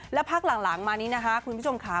และภาคหลังมานี้นะคะคุณผู้ชมขา